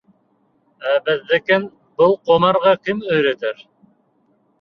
Ә беҙҙекен был ҡомарға кем өйрәтер?